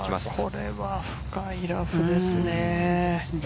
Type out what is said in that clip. これは深いラフですね。